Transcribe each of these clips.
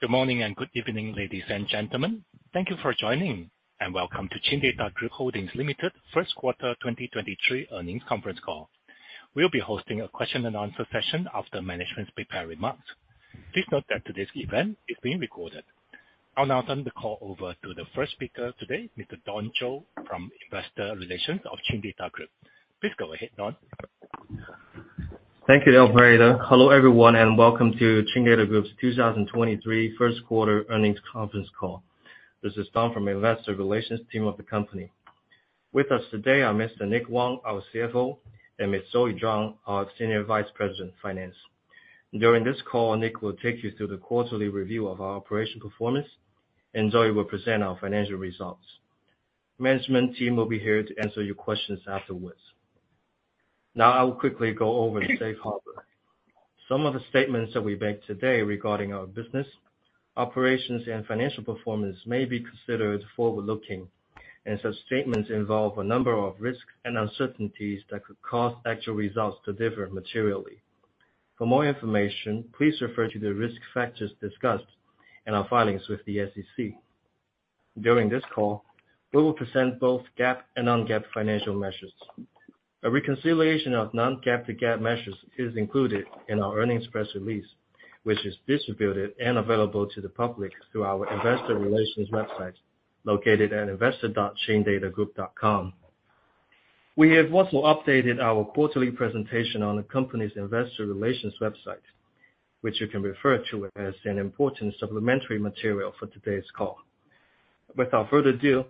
Good morning and good evening, ladies and gentlemen. Thank you for joining. Welcome to Chindata Group Holdings Limited First Quarter 2023 Earnings Conference Call. We'll be hosting a question and answer session after management's prepared remarks. Please note that today's event is being recorded. I'll now turn the call over to the first speaker today, Mr. Don Zhou, from Investor Relations of Chindata Group. Please go ahead, Don. Thank you, Operator. Hello, everyone, and welcome to Chindata Group's 2023 first quarter earnings conference call. This is Don from Investor Relations team of the company. With us today are Mr. Nick Wang, our CFO, and Ms. Zoe Zhuang, our Senior Vice President, Finance. During this call, Nick will take you through the quarterly review of our operation performance, and Zoe will present our financial results. Management team will be here to answer your questions afterwards. Now I will quickly go over the safe harbor. Some of the statements that we make today regarding our business, operations, and financial performance may be considered forward-looking, and such statements involve a number of risks and uncertainties that could cause actual results to differ materially. For more information, please refer to the risk factors discussed in our filings with the SEC. During this call, we will present both GAAP and non-GAAP financial measures. A reconciliation of non-GAAP to GAAP measures is included in our earnings press release, which is distributed and available to the public through our investor relations website, located at investor.chindatagroup.com. We have also updated our quarterly presentation on the company's investor relations website, which you can refer to as an important supplementary material for today's call. Without further ado,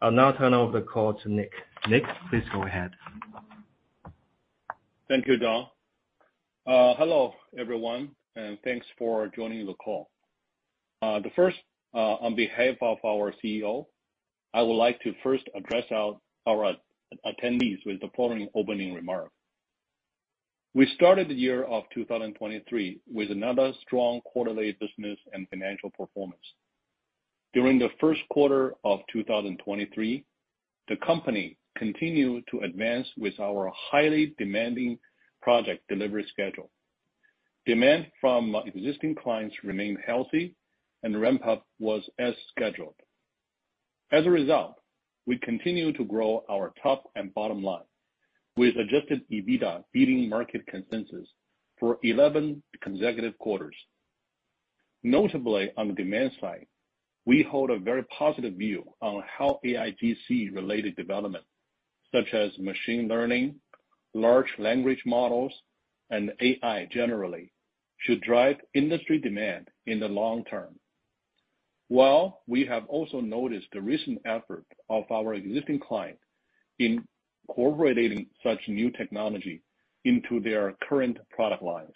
I'll now turn over the call to Nick. Nick, please go ahead. Thank you, Don. Hello, everyone, thanks for joining the call. On behalf of our CEO, I would like to first address our attendees with the following opening remark. We started the year of 2023 with another strong quarterly business and financial performance. During the first quarter of 2023, the company continued to advance with our highly demanding project delivery schedule. Demand from existing clients remained healthy and ramp-up was as scheduled. As a result, we continue to grow our top and bottom line, with Adjusted EBITDA beating market consensus for 11 consecutive quarters. Notably, on the demand side, we hold a very positive view on how AIGC-related development, such as machine learning, large language models, and AI generally, should drive industry demand in the long term. While we have also noticed the recent effort of our existing client in incorporating such new technology into their current product lines.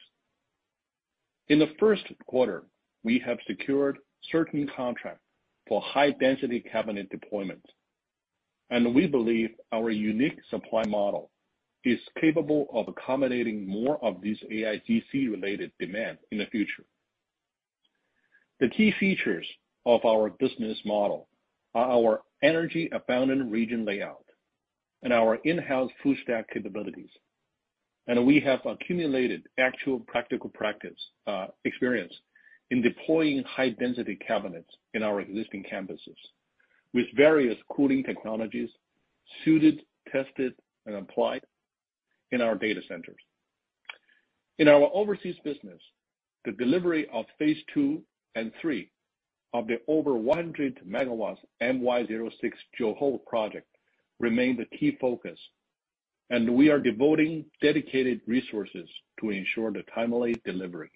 In the first quarter, we have secured certain contracts for high-density cabinet deployment, and we believe our unique supply model is capable of accommodating more of these AIGC-related demand in the future. The key features of our business model are our energy-abundant region layout and our in-house full-stack capabilities. We have accumulated actual practical practice experience in deploying high-density cabinets in our existing campuses, with various cooling technologies suited, tested, and applied in our data centers. In our overseas business, the delivery of phase two and three of the over 100 MW MY06 Johor project remained a key focus, and we are devoting dedicated resources to ensure the timely delivery.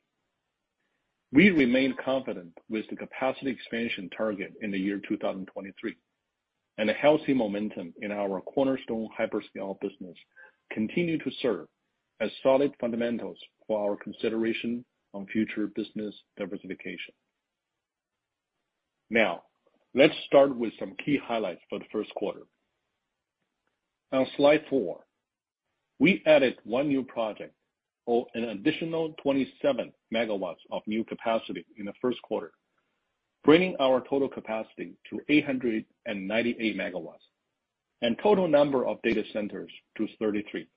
We remain confident with the capacity expansion target in the year 2023. A healthy momentum in our cornerstone hyperscale business continue to serve as solid fundamentals for our consideration on future business diversification. On Slide 4, we added one new project, or an additional 27 MW of new capacity in the first quarter, bringing our total capacity to 898 MW and total number of data centers to 33.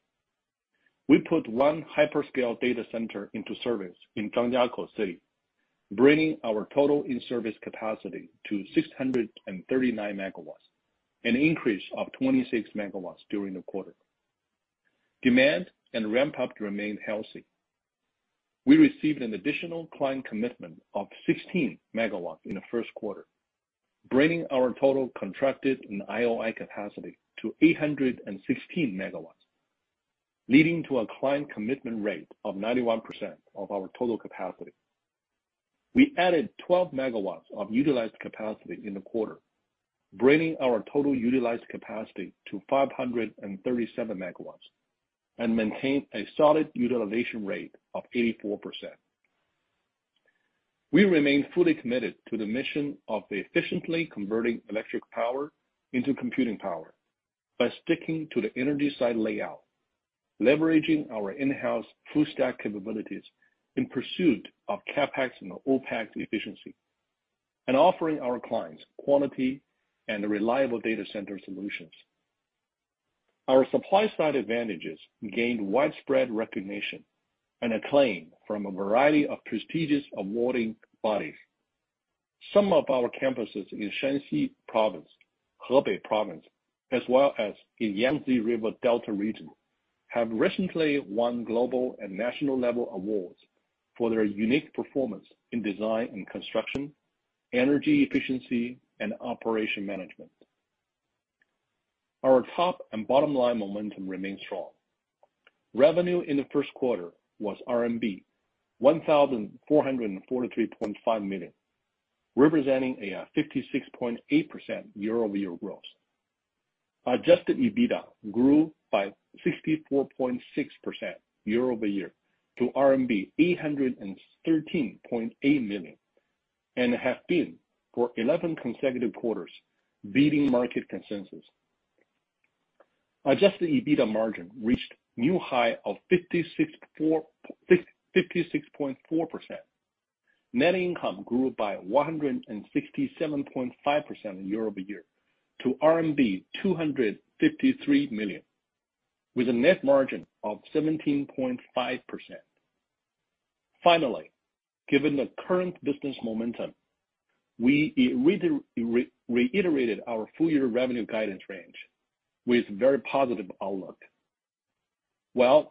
We put one hyperscale data center into service in Zhangjiakou City, bringing our total in-service capacity to 639 MW, an increase of 26 MW during the quarter. Demand and ramp-up remained healthy. We received an additional client commitment of 16 MW in the first quarter, bringing our total contracted and IOI capacity to 816 MW, leading to a client commitment rate of 91% of our total capacity. We added 12 MW of utilized capacity in the quarter, bringing our total utilized capacity to 537 MW, and maintained a solid utilization rate of 84%. We remain fully committed to the mission of efficiently converting electric power into computing power by sticking to the energy side layout, leveraging our in-house full-stack capabilities in pursuit of CapEx and OpEx efficiency.... and offering our clients quality and reliable data center solutions. Our supply side advantages gained widespread recognition and acclaim from a variety of prestigious awarding bodies. Some of our campuses in Shanxi Province, Hebei Province, as well as in Yangtze River Delta region, have recently won global and national level awards for their unique performance in design and construction, energy efficiency, and operation management. Our top and bottom line momentum remains strong. Revenue in the first quarter was RMB 1,443.5 million, representing a 56.8% year-over-year growth. Adjusted EBITDA grew by 64.6% year-over-year to RMB 813.8 million, and have been for 11 consecutive quarters, beating market consensus. Adjusted EBITDA margin reached new high of 56.4%. Net income grew by 167.5% year-over-year to RMB 253 million, with a net margin of 17.5%. Finally, given the current business momentum, we reiterated our full year revenue guidance range with very positive outlook.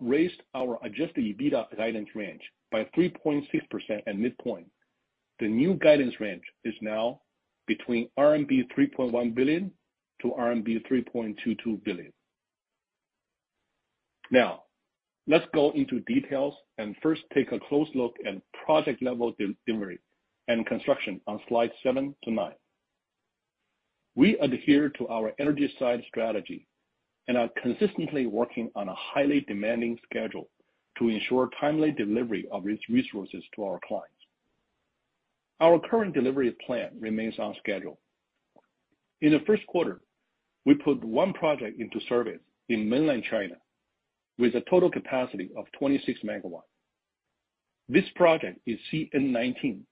Raised our Adjusted EBITDA guidance range by 3.6% at midpoint, the new guidance range is now between 3.1 billion-3.22 billion RMB. Let's go into details and first take a close look at project level delivery and construction on Slide 7 to 9. We adhere to our energy side strategy and are consistently working on a highly demanding schedule to ensure timely delivery of its resources to our clients. Our current delivery plan remains on schedule. In the first quarter, we put one project into service in mainland China with a total capacity of 26 MW. This project is CN19,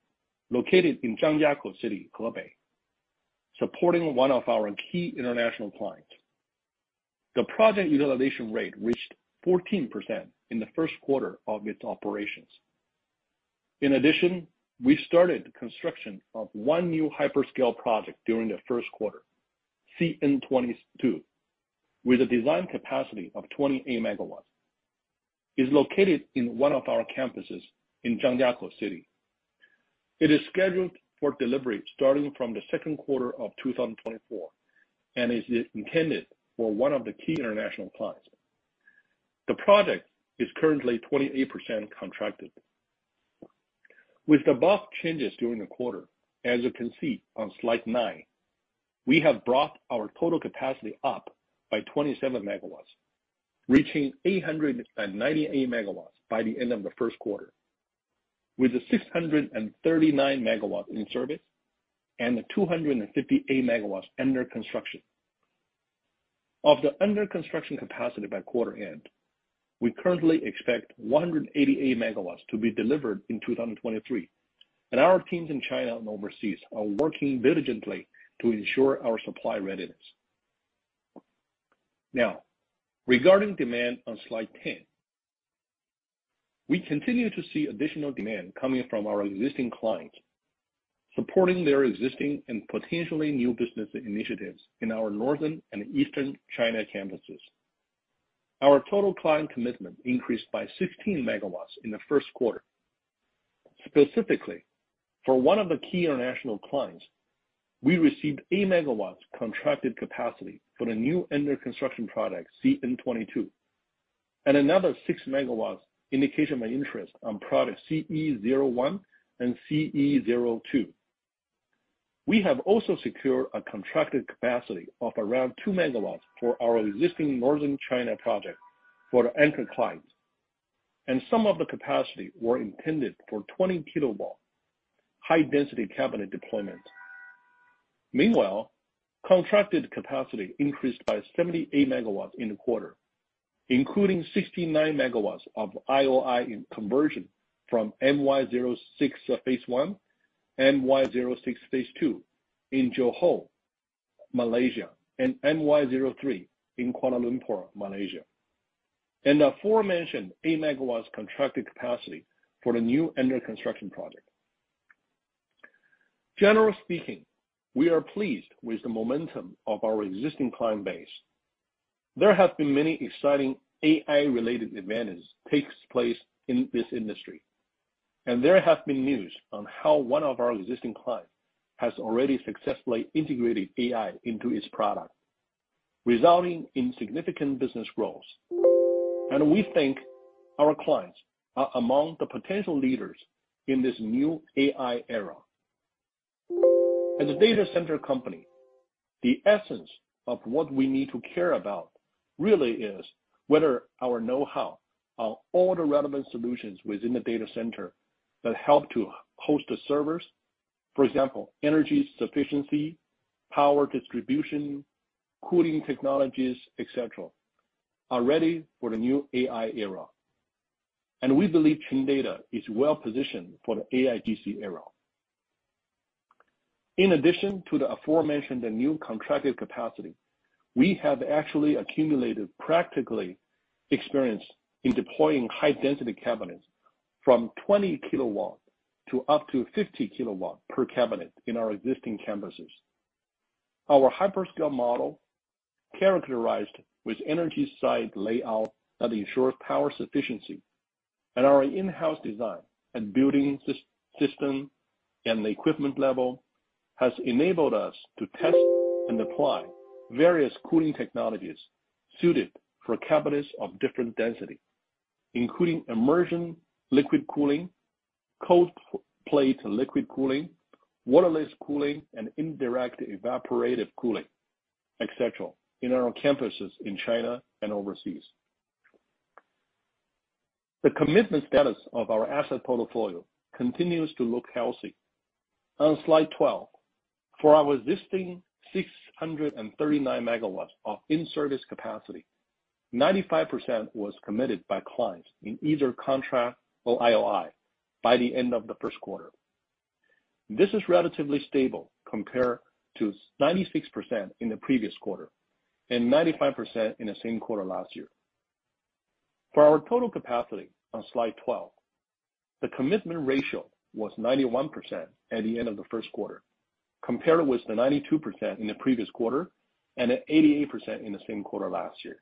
located in Zhangjiakou City, Hebei, supporting one of our key international clients. The project utilization rate reached 14% in the first quarter of its operations. We started construction of 1 new hyperscale project during the first quarter, CN22, with a design capacity of 28 MW. It's located in one of our campuses in Zhangjiakou. It is scheduled for delivery starting from the second quarter of 2024, and is intended for one of the key international clients. The project is currently 28% contracted. With the above changes during the quarter, as you can see on Slide 9, we have brought our total capacity up by 27 MW, reaching 898 MW by the end of the first quarter, with a 639 MW in service and a 258 MW under construction. Of the under construction capacity by quarter end, we currently expect 188 MW to be delivered in 2023, and our teams in China and overseas are working diligently to ensure our supply readiness. Now, regarding demand on Slide 10. We continue to see additional demand coming from our existing clients, supporting their existing and potentially new business initiatives in our northern and eastern China campuses. Our total client commitment increased by 16 MW in the first quarter. Specifically, for one of the key international clients, we received 8 MW contracted capacity for the new under construction project, CN22, and another 6 MW indication of interest on product CE01 and CE02. We have also secured a contracted capacity of around 2 MW for our existing Northern China project for the anchor client, and some of the capacity were intended for 20 kW high density cabinet deployment. Meanwhile, contracted capacity increased by 78 MW in the quarter, including 69 MW of IOI conversion from MY06 phase one, MY06 phase two in Johor, Malaysia, and MY03 in Kuala Lumpur, Malaysia. The aforementioned 8 MW contracted capacity for the new under construction project. Generally speaking, we are pleased with the momentum of our existing client base. There have been many exciting AI-related events takes place in this industry, and there have been news on how one of our existing clients has already successfully integrated AI into its product, resulting in significant business growth. We think our clients are among the potential leaders in this new AI era. As a data center company, the essence of what we need to care about really is whether our know-how are all the relevant solutions within the data center that help to host the servers. For example, energy sufficiency, power distribution, cooling technologies, et cetera, are ready for the new AI era. We believe Chindata is well positioned for the AIGC era. In addition to the aforementioned, the new contracted capacity, we have actually accumulated practically experience in deploying high-density cabinets from 20 kW to up to 50 kW per cabinet in our existing campuses. Our hyperscale model, characterized with energy site layout that ensures power sufficiency, and our in-house design and building system and equipment level, has enabled us to test and apply various cooling technologies suited for cabinets of different density, including immersion, liquid cooling, cold plate liquid cooling, waterless cooling, and indirect evaporative cooling, et cetera, in our campuses in China and overseas. The commitment status of our asset portfolio continues to look healthy. On Slide 12, for our existing 639 MW of in-service capacity, 95% was committed by clients in either contract or IOI by the end of the first quarter. This is relatively stable compared to 96% in the previous quarter, and 95% in the same quarter last year. For our total capacity on Slide 12, the commitment ratio was 91% at the end of the first quarter, compared with the 92% in the previous quarter, and at 88% in the same quarter last year.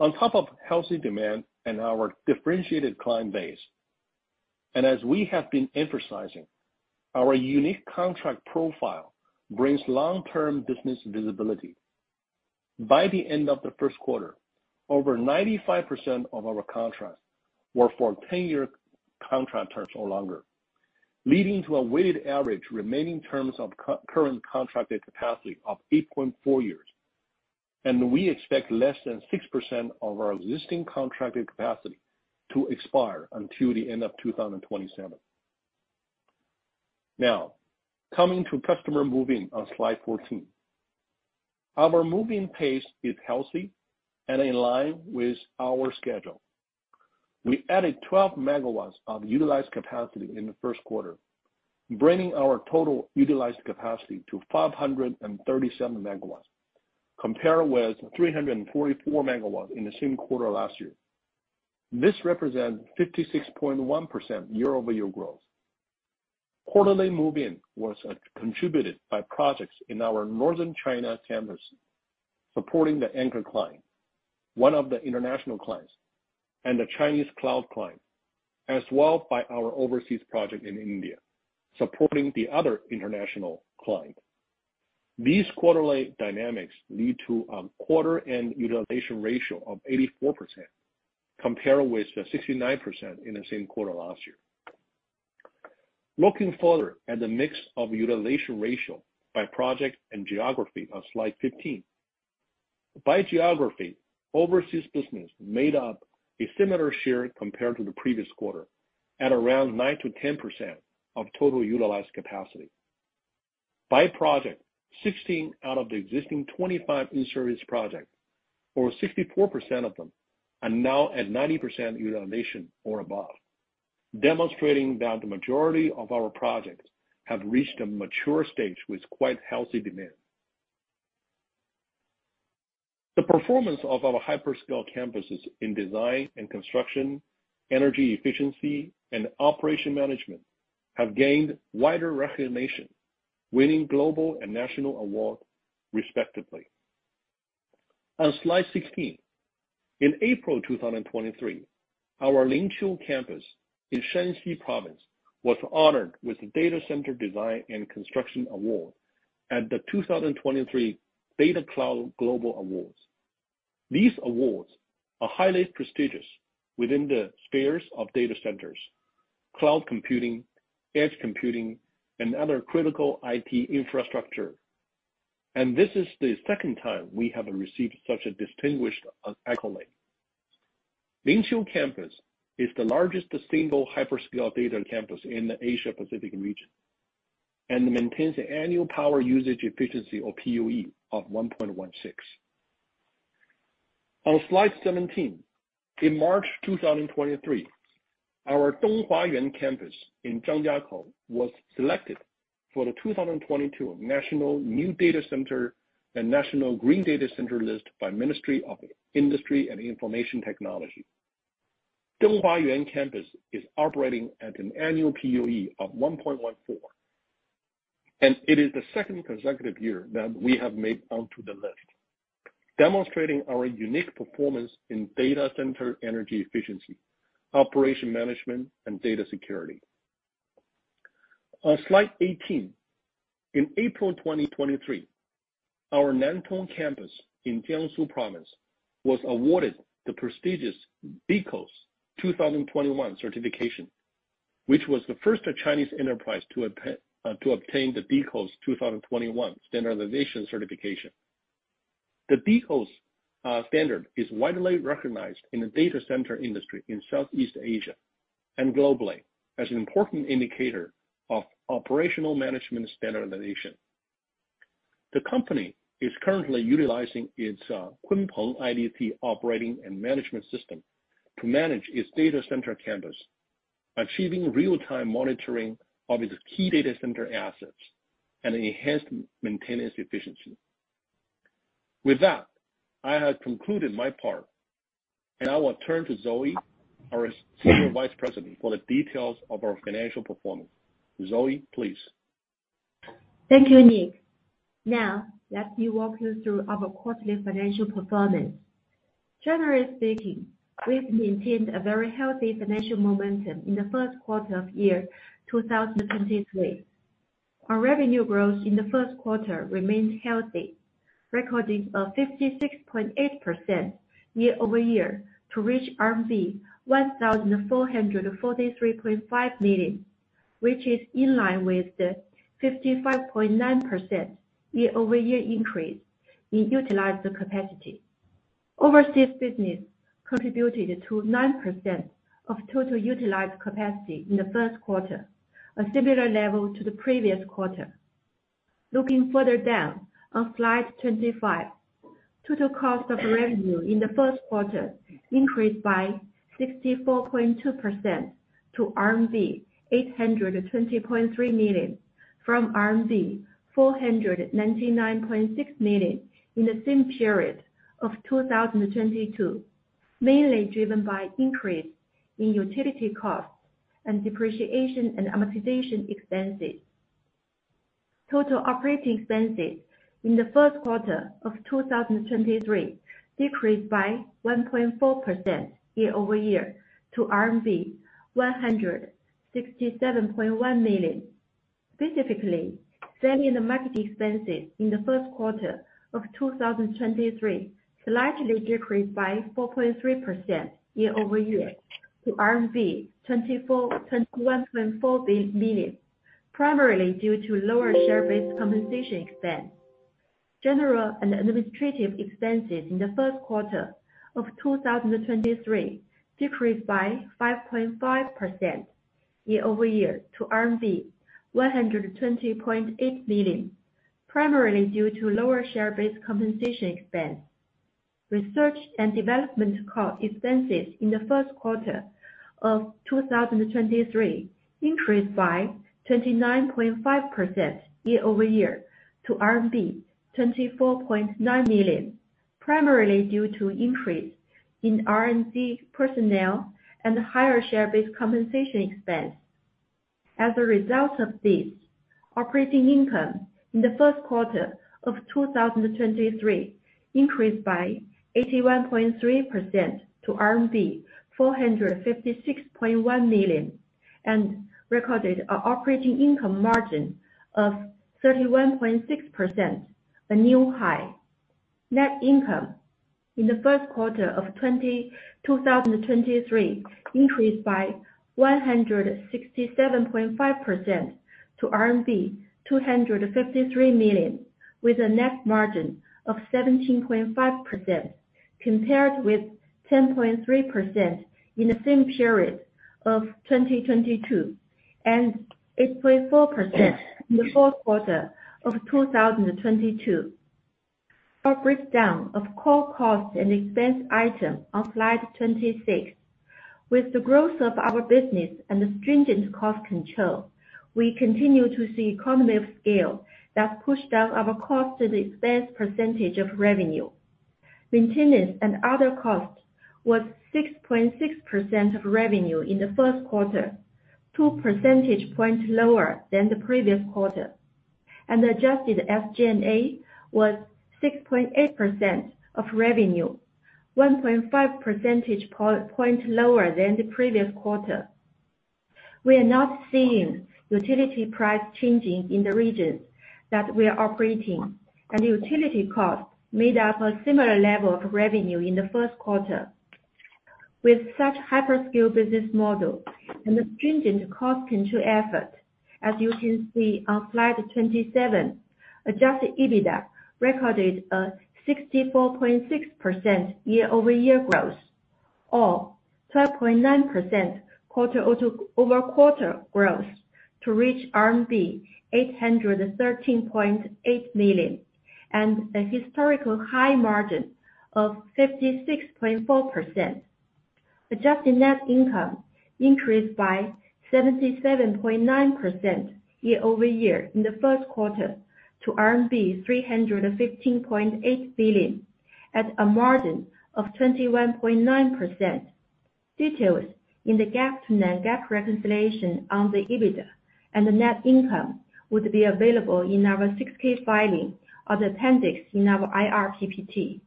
On top of healthy demand and our differentiated client base, and as we have been emphasizing, our unique contract profile brings long-term business visibility. By the end of the first quarter, over 95% of our contracts were for 10-year contract terms or longer, leading to a weighted average remaining terms of co-current contracted capacity of 8.4 years, and we expect less than 6% of our existing contracted capacity to expire until the end of 2027. Now, coming to customer move-in on Slide 14. Our move-in pace is healthy and in line with our schedule. We added 12 MW of utilized capacity in the first quarter, bringing our total utilized capacity to 537 MW, compared with 344 MW in the same quarter last year. This represents 56.1% year-over-year growth. Quarterly move-in was contributed by projects in our Northern China campuses, supporting the anchor client, one of the international clients, and the Chinese cloud client, as well by our overseas project in India, supporting the other international client. These quarterly dynamics lead to a quarter and utilization ratio of 84%, compared with the 69% in the same quarter last year. Looking further at the mix of utilization ratio by project and geography on Slide 15. By geography, overseas business made up a similar share compared to the previous quarter, at around 9%-10% of total utilized capacity. By project, 16 out of the existing 25 in-service projects, or 64% of them, are now at 90% utilization or above, demonstrating that the majority of our projects have reached a mature stage with quite healthy demand. The performance of our hyperscale campuses in design and construction, energy efficiency, and operation management, have gained wider recognition, winning global and national awards respectively. On Slide 16, in April 2023, our Lingqiu campus in Shanxi Province was honored with the Data Center Design and Construction Award at the 2023 Datacloud Global Awards. These awards are highly prestigious within the spheres of data centers, cloud computing, edge computing, and other critical IT infrastructure. This is the second time we have received such a distinguished accolade. Lingqiu campus is the largest single hyperscale data campus in the Asia-Pacific region, maintains an annual power usage efficiency, or PUE, of 1.16. On Slide 17, in March 2023, our Donghuayuan campus in Zhangjiakou was selected for the 2022 National New Data Center and National Green Data Center list by Ministry of Industry and Information Technology. Donghuayuan campus is operating at an annual PUE of 1.14, and it is the second consecutive year that we have made onto the list, demonstrating our unique performance in data center energy efficiency, operation management, and data security. On Slide 18, in April 2023, our Nantong campus in Jiangsu Province was awarded the prestigious DCOS 2021 certification, which was the first Chinese enterprise to obtain the DCOS 2021 standardization certification. The DCOS standard is widely recognized in the data center industry in Southeast Asia and globally as an important indicator of operational management standardization. The company is currently utilizing its Kunpeng IDC operating and management system to manage its data center campus, achieving real-time monitoring of its key data center assets and enhanced maintenance efficiency. With that, I have concluded my part, and I will turn to Zoe, our Senior Vice President, for the details of our financial performance. Zoe, please. Thank you, Nick. Let me walk you through our quarterly financial performance. Generally speaking, we've maintained a very healthy financial momentum in the first quarter of 2023. Our revenue growth in the first quarter remained healthy, recording a 56.8% year-over-year to reach 1,443.5 million, which is in line with the 55.9% year-over-year increase in utilized capacity. Overseas business contributed to 9% of total utilized capacity in the first quarter, a similar level to the previous quarter. Looking further down on Slide 25, total cost of revenue in the first quarter increased by 64.2% to RMB 820.3 million, from RMB 499.6 million in the same period of 2022, mainly driven by increase in utility costs and depreciation and amortization expenses. Total operating expenses in the first quarter of 2023 decreased by 1.4% year-over-year to RMB 167.1 million. Specifically, selling and marketing expenses in the first quarter of 2023 slightly decreased by 4.3% year-over-year to RMB 21.4 million, primarily due to lower share-based compensation expense. General and administrative expenses in the first quarter of 2023 decreased by 5.5% year-over-year to RMB 120.8 million, primarily due to lower share-based compensation expense. Research and development cost expenses in the first quarter of 2023 increased by 29.5% year-over-year to RMB 24.9 million, primarily due to increase in R&D personnel and higher share-based compensation expense. As a result of this, operating income in the first quarter of 2023 increased by 81.3% to RMB 456.1 million, and recorded an operating income margin of 31.6%, a new high. Net income in the first quarter of 2023 increased by 167.5% to RMB 253 million, with a net margin of 17.5%, compared with 10.3% in the same period of 2022, and 8.4% in the fourth quarter of 2022. A breakdown of core costs and expense item on Slide 26. With the growth of our business and the stringent cost control, we continue to see economy of scale that pushed down our cost and expense percentage of revenue. Maintenance and other costs was 6.6% of revenue in the first quarter, 2 percentage points lower than the previous quarter. Adjusted SG&A was 6.8% of revenue, 1.5 percentage point lower than the previous quarter. We are not seeing utility price changing in the regions that we are operating, and utility costs made up a similar level of revenue in the first quarter. With such hyperscale business model and the stringent cost control effort, as you can see on Slide 27, Adjusted EBITDA recorded a 64.6% year-over-year growth or 12.9% quarter-over-quarter growth to reach RMB 813.8 million, and a historical high margin of 56.4%. Adjusted net income increased by 77.9% year-over-year in the first quarter to RMB 315.8 million, at a margin of 21.9%. Details in the GAAP to non-GAAP reconciliation on the EBITDA and the net income would be available in our 6-K filing of the appendix in our IR PPT.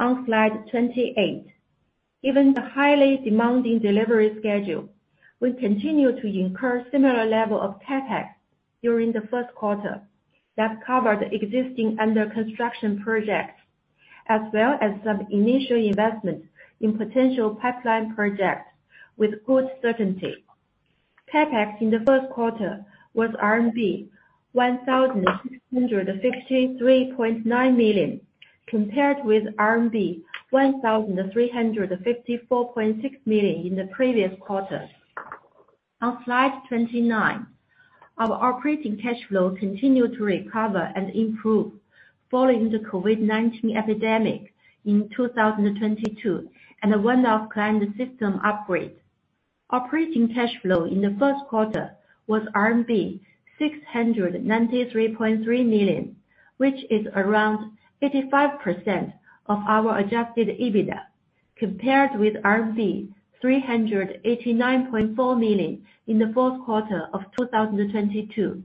On Slide 28, given the highly demanding delivery schedule, we continue to incur similar level of CapEx during the first quarter that covered existing under construction projects, as well as some initial investments in potential pipeline projects with good certainty. CapEx in the first quarter was RMB 1,663.9 million, compared with RMB 1,354.6 million in the previous quarter. On Slide 29, our operating cash flow continued to recover and improve following the COVID-19 epidemic in 2022 and a one-off client system upgrade. Operating cash flow in the first quarter was RMB 693.3 million, which is around 85% of our Adjusted EBITDA, compared with 389.4 million in the fourth quarter of 2022.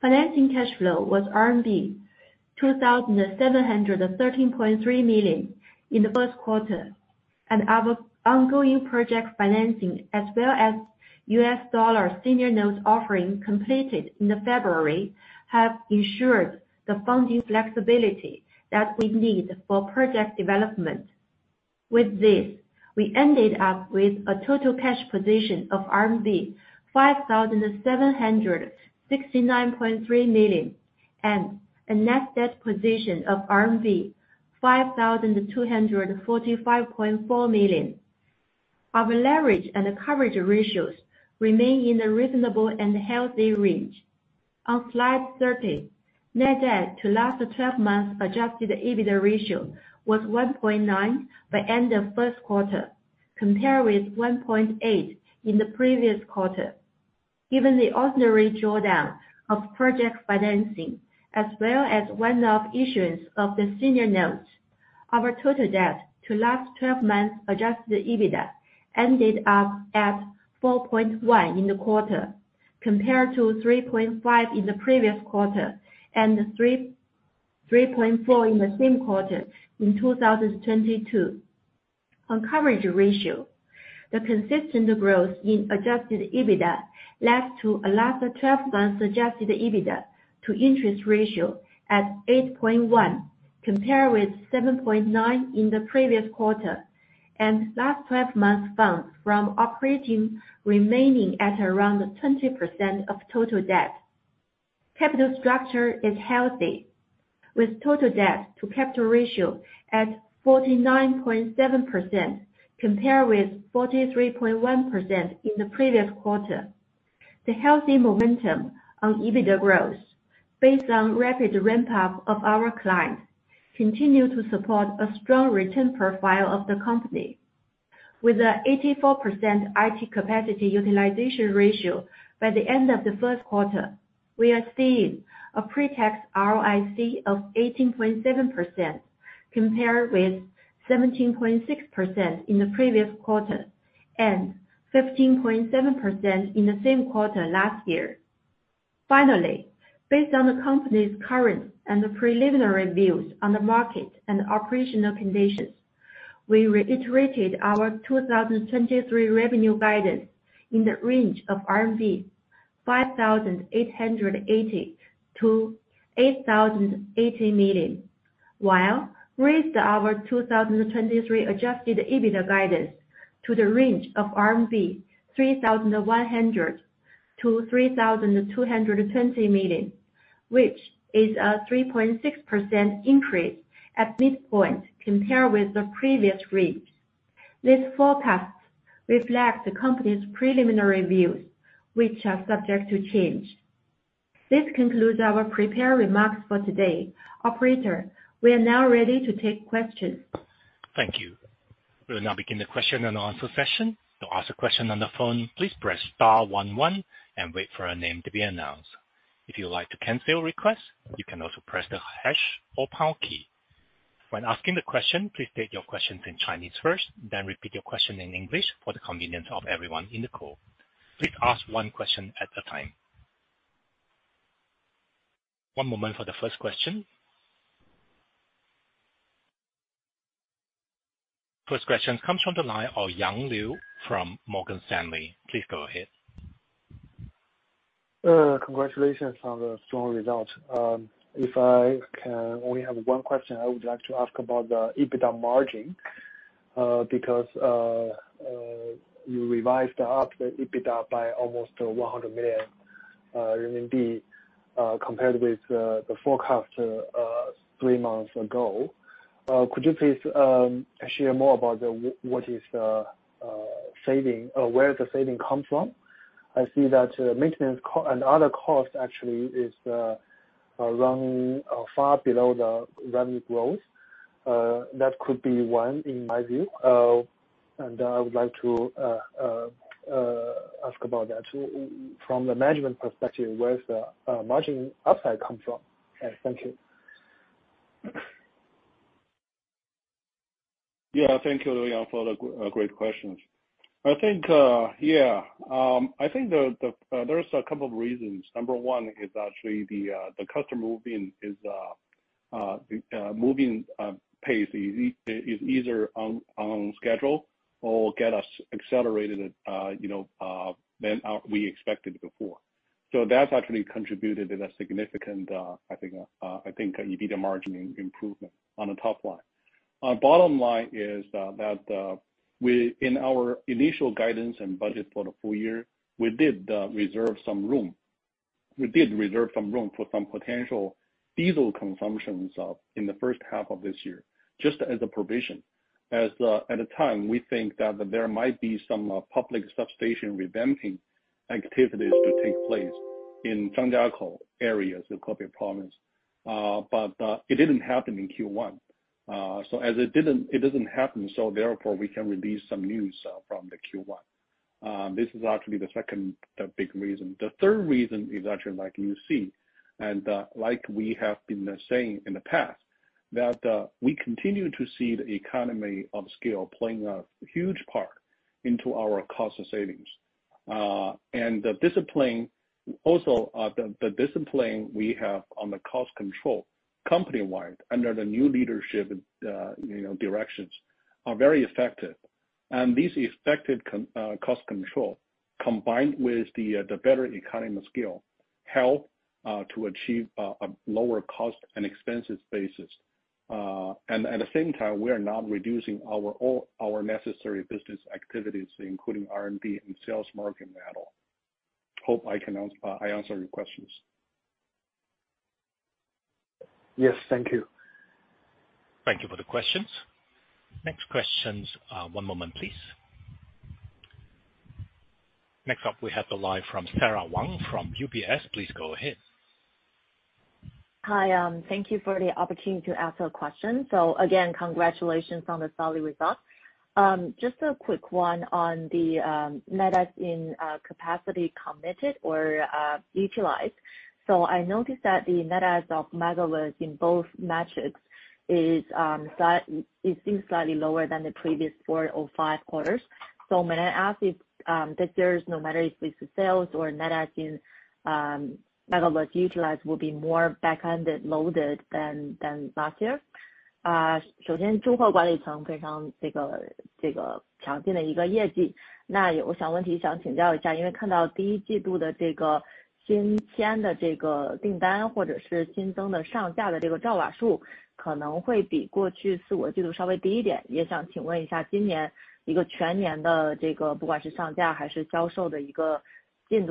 Financing cash flow was RMB 2,713.3 million in the first quarter. Our ongoing project financing, as well as US dollar senior notes offering completed in February, have ensured the funding flexibility that we need for project development. With this, we ended up with a total cash position of RMB 5,769.3 million and a net debt position of RMB 5,245.4 million. Our leverage and coverage ratios remain in a reasonable and healthy range. On Slide 30, net debt to last 12 months Adjusted EBITDA ratio was 1.9 by end of first quarter, compared with 1.8 in the previous quarter. Given the ordinary drawdown of project financing, as well as one-off issuance of the senior notes, our total debt to last twelve months Adjusted EBITDA ended up at 4.1 in the quarter, compared to 3.5 in the previous quarter and 3.4 in the same quarter in 2022. On coverage ratio, the consistent growth in Adjusted EBITDA led to a last twelve months Adjusted EBITDA to interest ratio at 8.1, compared with 7.9 in the previous quarter, and last twelve months funds from operating remaining at around 20% of total debt. Capital structure is healthy, with total debt to capital ratio at 49.7%, compared with 43.1% in the previous quarter. The healthy momentum on EBITDA growth, based on rapid ramp-up of our client, continue to support a strong return profile of the company. With a 84% IT capacity utilization ratio by the end of the first quarter, we are seeing a pre-tax ROIC of 18.7%, compared with 17.6% in the previous quarter, and 15.7% in the same quarter last year. Finally, based on the company's current and preliminary views on the market and operational conditions, we reiterated our 2023 revenue guidance in the range of 5,880 million- 8,080 million. raised our 2023 Adjusted EBITDA guidance to the range of 3,100 million-3,220 million, which is a 3.6% increase at midpoint compared with the previous rate. These forecasts reflect the company's preliminary views, which are subject to change. This concludes our prepared remarks for today. Operator, we are now ready to take questions. Thank you. We'll now begin the question and answer session. To ask a question on the phone, please press star one one and wait for your name to be announced. If you'd like to cancel your request, you can also press the hash or pound key. When asking the question, please state your question in Chinese first, then repeat your question in English for the convenience of everyone in the call. Please ask one question at a time. One moment for the first question. First question comes from the line of Yang Liu from Morgan Stanley. Please go ahead. Congratulations on the strong results. If I can only have one question, I would like to ask about the EBITDA margin because you revised up the EBITDA by almost 100 million RMB compared with the forecast three months ago. Could you please share more about what is the saving or where the saving comes from? I see that maintenance and other costs actually is around far below the revenue growth. That could be one in my view. I would like to ask about that. From the management perspective, where is the margin upside come from? Thank you. Yeah. Thank you, Yang, for the great questions. I think, yeah, I think there's a couple of reasons. Number one is actually the customer moving pace is either on schedule or get us accelerated, you know, than we expected before. That's actually contributed in a significant, I think, I think EBITDA margin improvement on the top line. Our bottom line is that we in our initial guidance and budget for the full year, we did reserve some room for some potential diesel consumptions in the first half of this year just as a provision. At the time, we think that there might be some public substation revamping activities to take place in Zhangjiakou areas of Hebei province. It didn't happen in Q1. As it doesn't happen, so therefore, we can release some news from the Q1. This is actually the second, the big reason. The third reason is actually like you see, and like we have been saying in the past, that we continue to see the economy of scale playing a huge part into our cost savings. And the discipline, also, the discipline we have on the cost control company-wide under the new leadership, you know, directions, are very effective. This effective cost control, combined with the better economy of scale, help to achieve a lower cost and expenses basis. At the same time, we are not reducing our necessary business activities, including R&D and sales marketing at all. Hope I answer your questions. Yes, thank you. Thank you for the questions. Next questions, one moment, please. Next up, we have the line from Sara Wang from UBS. Please go ahead. Hi, thank you for the opportunity to ask a question. Again, congratulations on the solid results. Just a quick one on the net adds in capacity committed or utilized. I noticed that the net adds of megawatts in both metrics is, it seems slightly lower than the previous four or five quarters. May I ask if this year, no matter if it's sales or net adds in megawatts utilized, will be more back-ended loaded than last year? Thank you, Sara. Yes, most of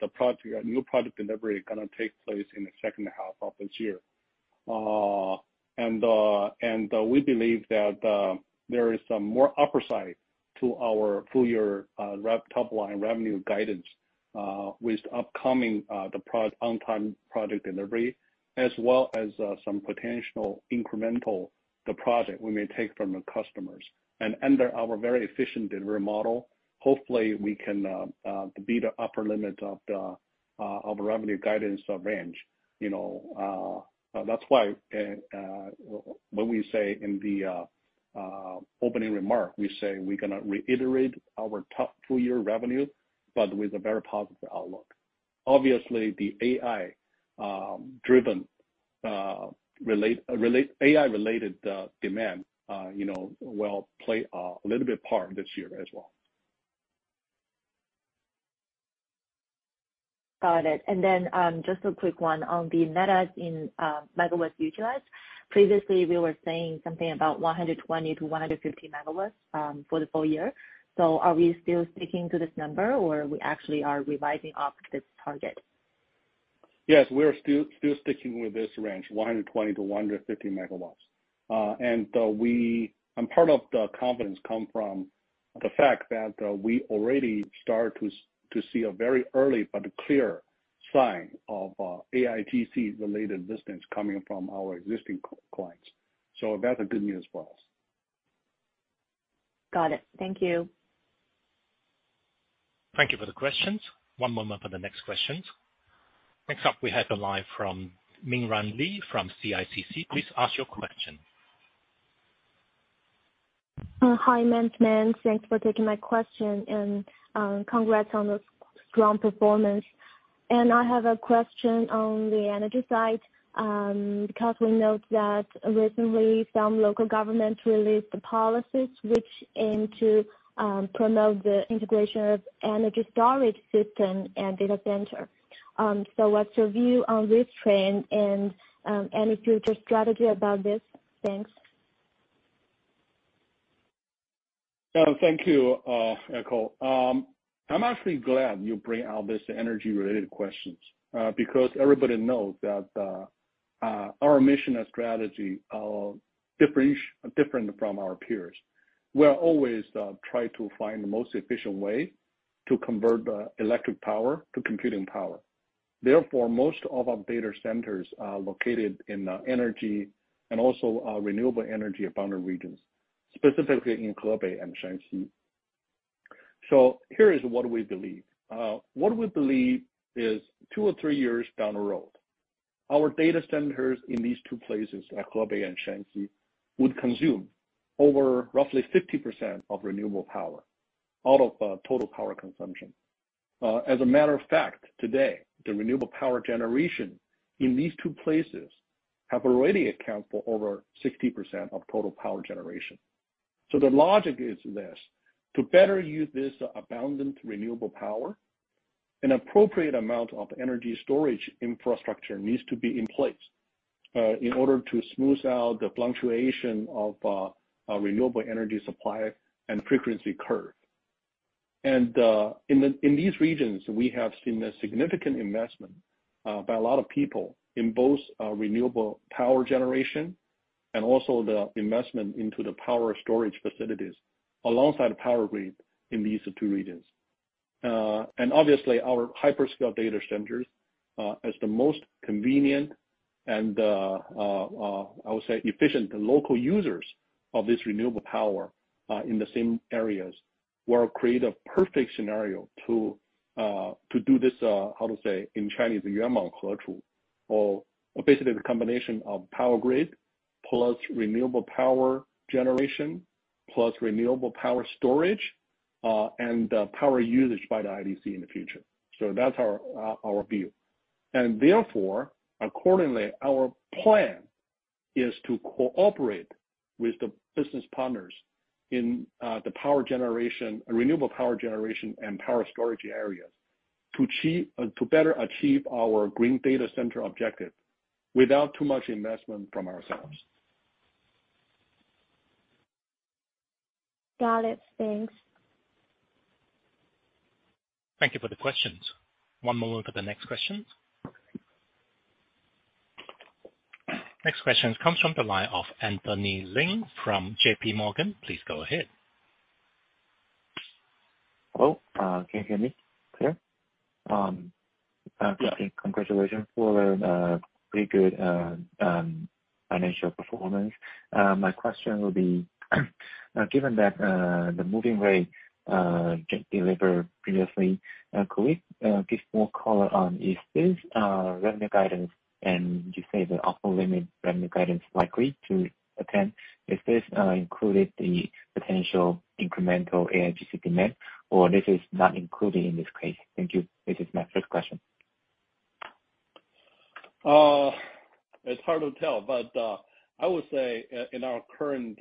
the project, new product delivery is gonna take place in the second half of this year. We believe that there is some more upside to our full year top line revenue guidance with upcoming on time product delivery, as well as some potential incremental, the project we may take from the customers. Under our very efficient delivery model, hopefully, we can beat the upper limit of the revenue guidance range. You know, that's why when we say in the opening remark, we say we're gonna reiterate our top full year revenue, but with a very positive outlook. Obviously, the AI driven AI-related demand, you know, will play a little bit part this year as well. Got it. Just a quick one on the net adds in, megawatts utilized. Previously, we were saying something about 120 MW-150 MW for the full year. Are we still sticking to this number, or we actually are revising up this target? Yes, we are still sticking with this range, 120 MW-150 MW. part of the confidence come from the fact that we already start to see a very early but clear sign of AIGC-related business coming from our existing clients. That's a good news for us. Got it. Thank you. Thank you for the questions. One moment for the next questions. Next up, we have the line from Mingran Li from CICC. Please ask your question. Hi, management. Thanks for taking my question, congrats on the strong performance. I have a question on the energy side, because we note that recently some local government released the policies which aim to promote the integration of energy storage system and data center. What's your view on this trend, and any future strategy about this? Thanks. Thank you, [Echo]. I'm actually glad you bring out this energy-related questions, because everybody knows that our mission and strategy are different from our peers. We are always try to find the most efficient way to convert electric power to computing power. Therefore, most of our data centers are located in energy and also renewable energy abundant regions, specifically in Hebei and Shanxi. Here is what we believe. What we believe is two or three years down the road, our data centers in these two places, like Hebei and Shanxi, would consume over roughly 50% of renewable power out of total power consumption. As a matter of fact, today, the renewable power generation in these two places have already account for over 60% of total power generation. The logic is this: to better use this abundant renewable power-... an appropriate amount of energy storage infrastructure needs to be in place in order to smooth out the fluctuation of a renewable energy supply and frequency curve. In the, in these regions, we have seen a significant investment by a lot of people in both renewable power generation and also the investment into the power storage facilities, alongside the power grid in these two regions. Obviously, our hyperscale data centers, as the most convenient and, I would say, efficient local users of this renewable power, in the same areas, will create a perfect scenario to do this, how to say in Chinese, 语谋合 处, or basically, the combination of power grid, plus renewable power generation, plus renewable power storage, and power usage by the IDC in the future. That's our view. Therefore, accordingly, our plan is to cooperate with the business partners in the power generation, renewable power generation and power storage areas, to better achieve our green data center objective, without too much investment from ourselves. Got it. Thanks. Thank you for the questions. One moment for the next question. Next question comes from the line of Anthony Leng from JPMorgan. Please go ahead. Hello, can you hear me clear? Yeah. Congratulations for pretty good financial performance. My question will be, given that the moving rate just delivered previously, could we give more color on, is this revenue guidance, and you say the upper limit revenue guidance likely to attend, is this included the potential incremental AIGC demand, or this is not included in this case? Thank you. This is my first question. It's hard to tell, but I would say, in our current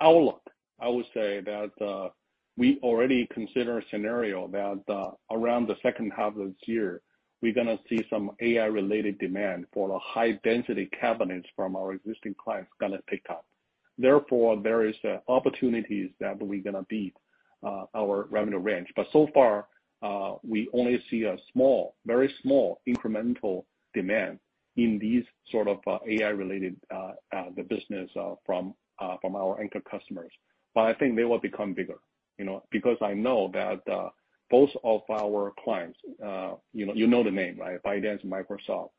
outlook, I would say that we already consider a scenario that around the second half of this year, we're gonna see some AI-related demand for the high-density cabinets from our existing clients gonna pick up. Therefore, there is opportunities that we're gonna beat our revenue range. So far, we only see a small, very small incremental demand in these sort of AI-related the business, from our anchor customers. I think they will become bigger, you know, because I know that both of our clients, you know, you know the name, right? ByteDance, Microsoft.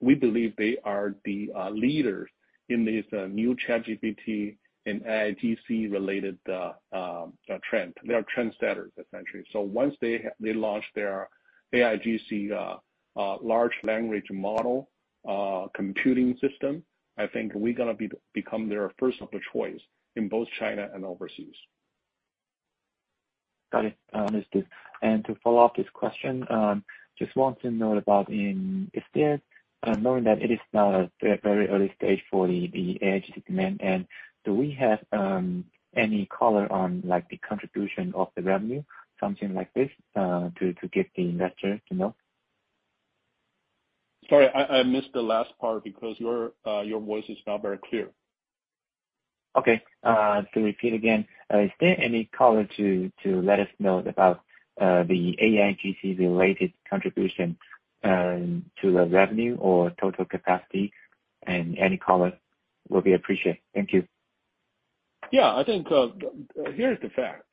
We believe they are the leaders in this new ChatGPT and AIGC related trend. They are trendsetters, essentially. Once they launch their AIGC large language model computing system, I think we're gonna become their first of choice in both China and overseas. Got it. Understood. To follow up this question, just want to know about is there, knowing that it is very early stage for the AIGC demand, do we have any color on, like, the contribution of the revenue, something like this, to get the investor to know? Sorry, I missed the last part because your voice is not very clear. Okay. To repeat again: Is there any color to let us know about the AIGC-related contribution to the revenue or total capacity? Any color will be appreciated. Thank you. I think, here's the fact.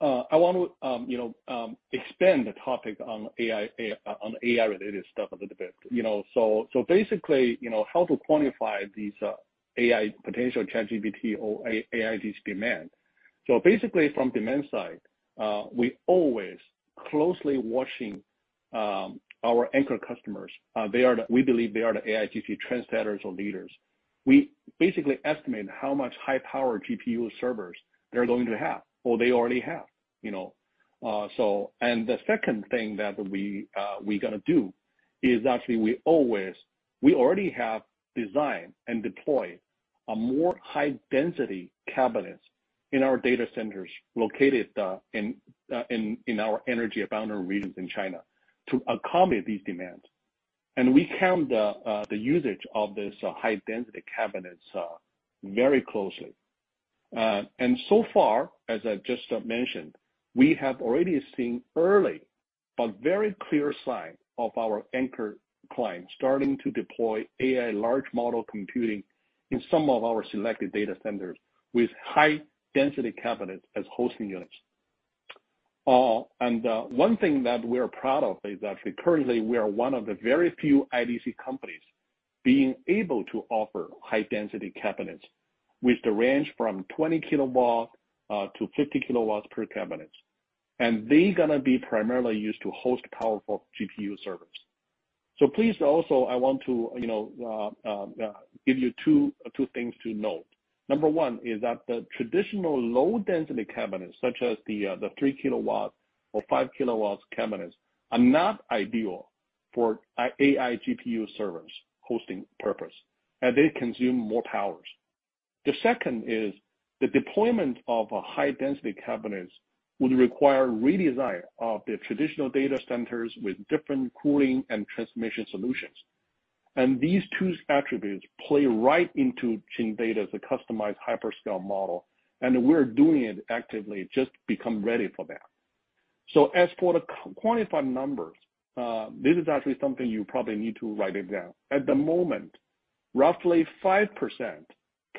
I want to expand the topic on AI, on AI-related stuff a little bit. Basically, how to quantify these AI potential ChatGPT or AIGC demand. Basically, from demand side, we always closely watching our anchor customers. We believe they are the AIGC trendsetters or leaders. We basically estimate how much high-power GPU servers they're going to have or they already have. The second thing that we're gonna do, is actually we already have designed and deployed a more high-density cabinets in our data centers, located in our energy abounded regions in China to accommodate these demands. We count the usage of this high-density cabinets very closely. So far, as I just mentioned, we have already seen early but very clear sign of our anchor clients starting to deploy AI large model computing in some of our selected data centers with high-density cabinets as hosting units. One thing that we're proud of is that currently we are one of the very few IDC companies being able to offer high-density cabinets with the range from 20 kW-50 kW per cabinets. They're gonna be primarily used to host powerful GPU servers. Please also, I want to, you know, give you two things to note. Number one is that the traditional low-density cabinets, such as the 3 kW or 5 kW cabinets, are not ideal for AI GPU servers hosting purpose, and they consume more powers. The second is the deployment of a high-density cabinets would require redesign of the traditional data centers with different cooling and transmission solutions. These two attributes play right into Chindata's customized hyperscale model, and we're doing it actively, just become ready for that. As for the quantified numbers, this is actually something you probably need to write it down. At the moment, roughly 5%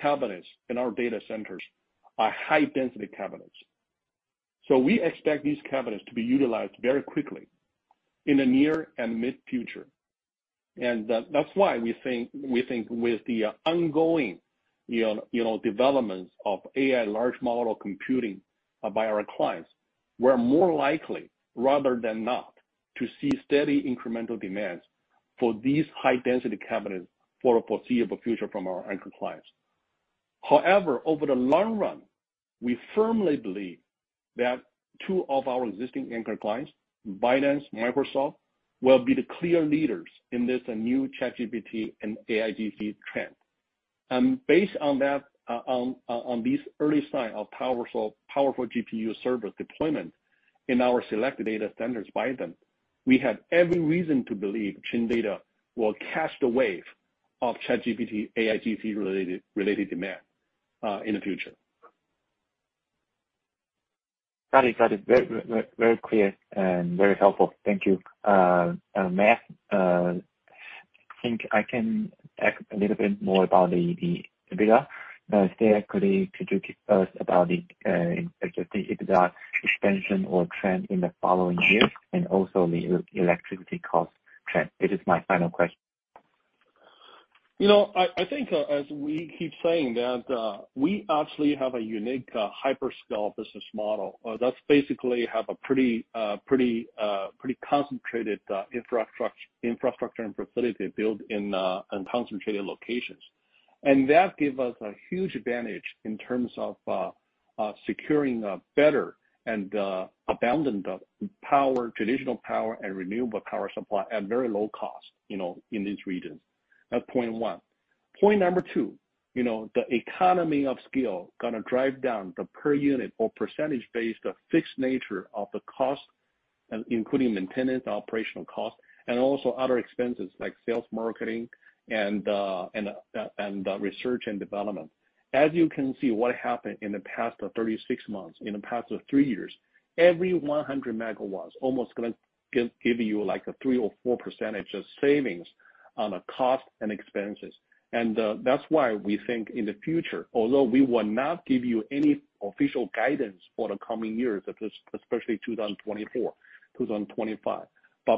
cabinets in our data centers are high-density cabinets. We expect these cabinets to be utilized very quickly in the near and mid future. That's why we think with the ongoing, you know, you know, developments of AI large model computing by our clients, we're more likely, rather than not, to see steady incremental demands for these high-density cabinets for the foreseeable future from our anchor clients. However, over the long run, we firmly believe that two of our existing anchor clients, ByteDance, Microsoft, will be the clear leaders in this new ChatGPT and AIGC trend. Based on that, on these early signs of powerful GPU server deployment in our selected data centers by them, we have every reason to believe Chindata will catch the wave of ChatGPT, AIGC related demand in the future. Got it. Very clear and very helpful. Thank you. May I ask, I think I can ask a little bit more about the EBITDA. Could you tell us about the EBITDA expansion or trend in the following years, and also the e-electricity cost trend? It is my final question. You know, I think, as we keep saying, that, we actually have a unique hyperscale business model, that's basically have a pretty concentrated infrastructure and facility built in concentrated locations. That give us a huge advantage in terms of securing a better and abundant power, traditional power and renewable power supply at very low cost, you know, in these regions. That's point one. Point number two, you know, the economy of scale gonna drive down the per unit or percentage-based, the fixed nature of the cost, and including maintenance, operational cost, and also other expenses like sales, marketing, and research and development. As you can see, what happened in the past, 36 months, in the past, three years, every 100 MW almost gonna give you, like, a 3% or 4% of savings on the cost and expenses. That's why we think in the future, although we will not give you any official guidance for the coming years, especially 2024, 2025.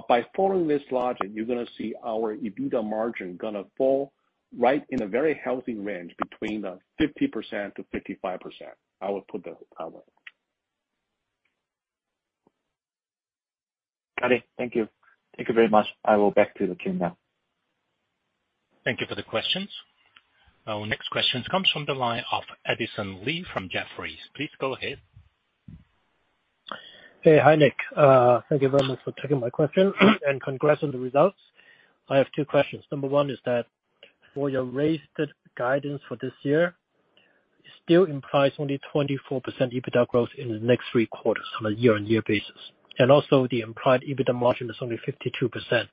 By following this logic, you're gonna see our EBITDA margin gonna fall right in a very healthy range between the 50%-55%. I would put the. Got it. Thank you. Thank you very much. I will back to the queue now. Thank you for the questions. Our next question comes from the line of Edison Lee from Jefferies. Please go ahead. Hey. Hi, Nick. Thank you very much for taking my question, and congrats on the results. I have two questions. Number one is that for your raised guidance for this year, still implies only 24% EBITDA growth in the next three quarters on a year-over-year basis, and also the implied EBITDA margin is only 52%.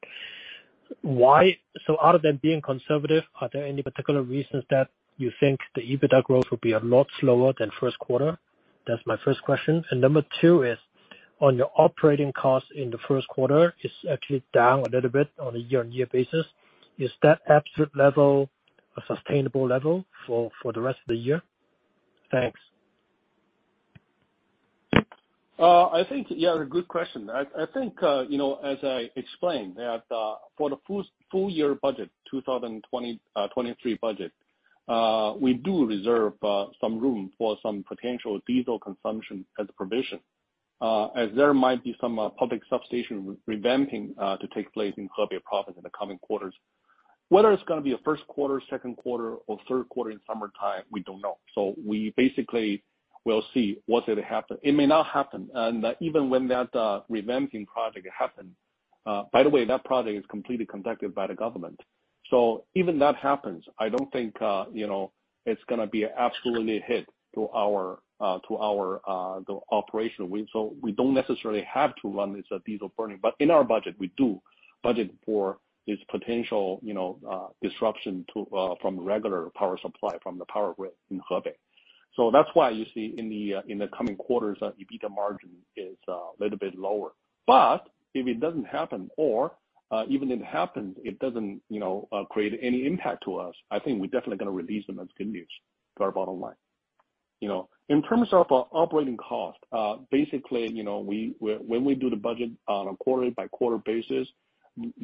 Other than being conservative, are there any particular reasons that you think the EBITDA growth will be a lot slower than first quarter? That's my first question. Number two is, on your operating costs in the first quarter, it's actually down a little bit on a year-over-year basis. Is that absolute level a sustainable level for the rest of the year? Thanks. I think, yeah, a good question. I think, you know, as I explained, that for the full year budget, 2023 budget, we do reserve some room for some potential diesel consumption as a provision, as there might be some public substation revamping to take place in Hebei province in the coming quarters. Whether it's going to be a first quarter, second quarter, or third quarter in summertime, we don't know. We basically will see once it happens. It may not happen, even when that revamping project happens. By the way, that project is completely conducted by the government. Even that happens, I don't think, you know, it's going to be absolutely a hit to our to our the operation. We don't necessarily have to run this diesel burning. In our budget, we do budget for this potential, you know, disruption from regular power supply from the power grid in Hebei. That's why you see in the coming quarters, our EBITDA margin is a little bit lower. If it doesn't happen, or even it happens, it doesn't, you know, create any impact to us, I think we're definitely gonna release them as good news to our bottom line. You know, in terms of operating cost, basically, you know, when we do the budget on a quarter-by-quarter basis,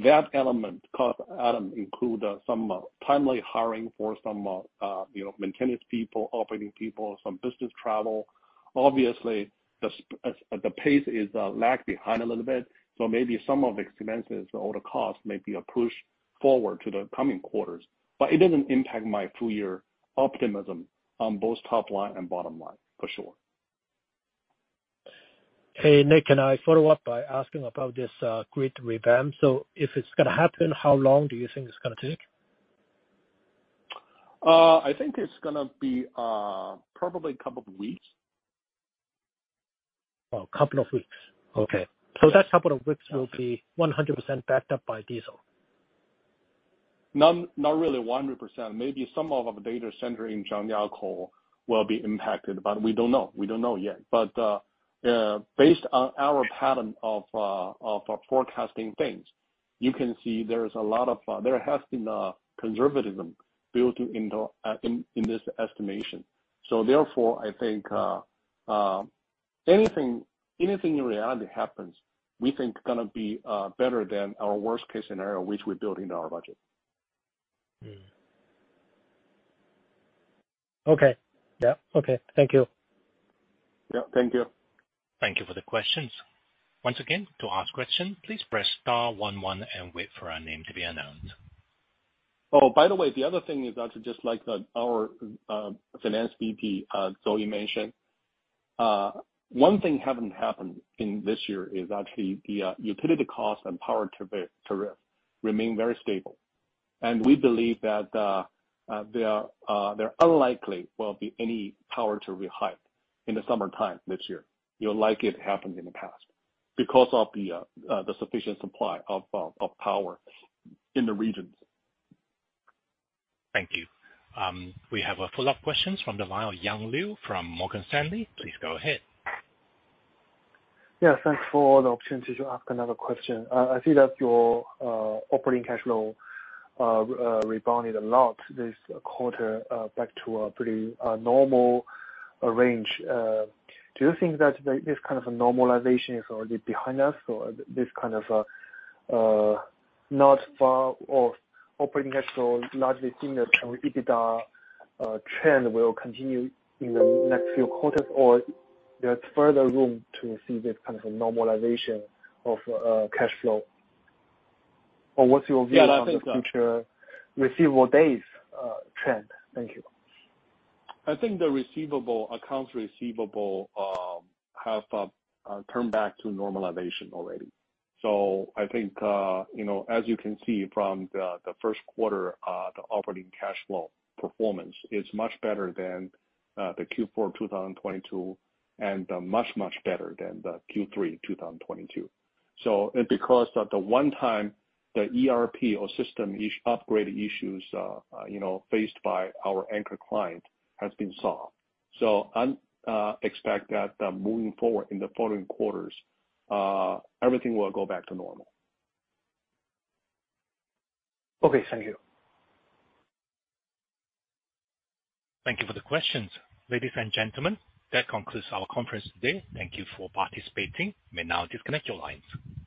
that element, cost element, include some timely hiring for some, you know, maintenance people, operating people, some business travel. Obviously, the pace is lag behind a little bit, so maybe some of the expenses or the cost may be a push forward to the coming quarters, but it doesn't impact my full year optimism on both top line and bottom line, for sure. Hey, Nick, can I follow up by asking about this, grid revamp? If it's gonna happen, how long do you think it's gonna take? I think it's gonna be, probably a couple of weeks. Oh, a couple of weeks. Okay. That couple of weeks will be 100% backed up by diesel? Not really 100%. Maybe some of our data center in Zhangjiakou will be impacted, but we don't know. We don't know yet. Based on our pattern of forecasting things, you can see there's a lot of there has been a conservatism built into in this estimation. Therefore, I think anything in reality happens, we think gonna be better than our worst case scenario, which we built into our budget. Okay. Yeah. Okay. Thank you. Yeah, thank you. Thank you for the questions. Once again, to ask question, please press star one one and wait for your name to be announced. Oh, by the way, the other thing is that just like the, our, finance VP, Zoe mentioned, one thing haven't happened in this year is actually the utility cost and power tariff remain very stable. We believe that there unlikely will be any power tariff hike in the summertime this year, you know, like it happened in the past, because of the sufficient supply of power in the regions. Thank you. We have a follow-up questions from the line of Yang Liu from Morgan Stanley. Please go ahead. Yeah, thanks for the opportunity to ask another question. I see that your operating cash flow rebounded a lot this quarter, back to a pretty normal range. Do you think that this kind of a normalization is already behind us or this kind of not far or operating actual, largely similar EBITDA trend will continue in the next few quarters? There's further room to see this kind of a normalization of cash flow? What's your view- Yeah, I think. ....on the future receivable days, trend? Thank you. I think the receivable, accounts receivable, have turned back to normalization already. I think, you know, as you can see from the first quarter, the operating cash flow performance is much better than the Q4 of 2022, and much, much better than the Q3 2022. Because of the one time, the ERP or system upgrade issues, you know, faced by our anchor client has been solved. I expect that moving forward in the following quarters, everything will go back to normal. Okay. Thank you. Thank you for the questions. Ladies and gentlemen, that concludes our conference today. Thank you for participating. You may now disconnect your lines.